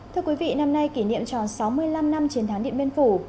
thưa quý vị năm nay kỷ niệm tròn sáu mươi năm năm chiến thắng điện biên phủ